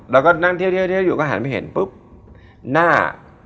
แล้วก็นั่งเที่ยวอยู่ก็หันไปเห็นปุ๊บหน้า